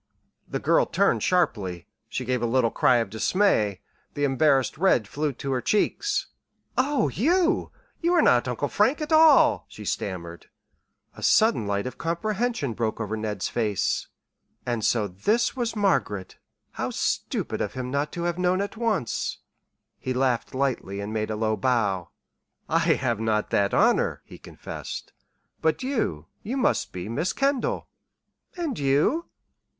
The girl turned sharply. She gave a little cry of dismay. The embarrassed red flew to her cheeks. "Oh, you you are not Uncle Frank at all!" she stammered. A sudden light of comprehension broke over Ned's face. And so this was Margaret. How stupid of him not to have known at once! He laughed lightly and made a low bow. "I have not that honor," he confessed. "But you you must be Miss Kendall." "And you?"